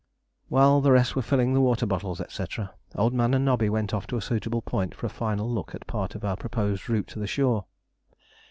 While the rest were filling the water bottles, &c., Old Man and Nobby went off to a suitable point for a final look at part of our proposed route to the shore.